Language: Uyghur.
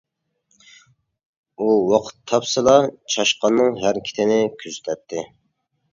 ئۇ ۋاقىت تاپسىلا، چاشقاننىڭ ھەرىكىتىنى كۆزىتەتتى.